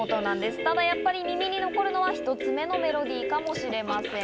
ただやっぱり、耳に残るのは１つ目のメロディーかもしれません。